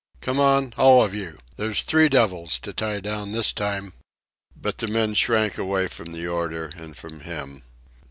"Come on, all of you! There's three devils to tie down this time." But the men shrank away from the order and from him.